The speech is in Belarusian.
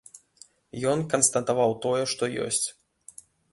Ён канстатаваў тое, што ёсць.